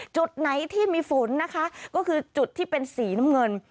จุดไหนที่มีฝนนะคะก็คือจุดที่เป็นสีน้ำเงิน